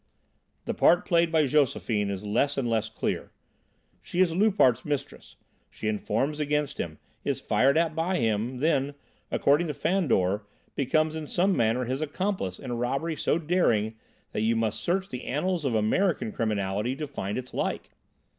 "The part played by Josephine is less and less clear. She is Loupart's mistress; she informs against him, is fired at by him, then, according to Fandor, becomes in some manner his accomplice in a robbery so daring that you must search the annals of American criminality to find its like."